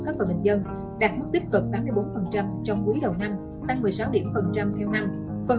cấp và bình dân đạt mức đích cận tám mươi bốn trong quý đầu năm tăng một mươi sáu điểm phần trăm theo năm phần